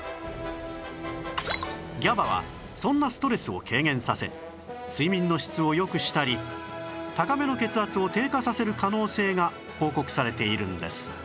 ＧＡＢＡ はそんなストレスを軽減させ睡眠の質を良くしたり高めの血圧を低下させる可能性が報告されているんです